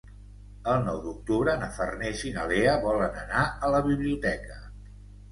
El nou d'octubre na Farners i na Lea volen anar a la biblioteca.